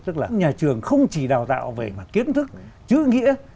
tức là nhà trường không chỉ đào tạo về mặt kiến thức chữ nghĩa